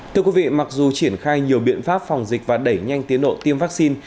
thưa quý vị mặc dù triển khai nhiều biện pháp phòng dịch và đẩy nhanh tiến độ tiêm vaccine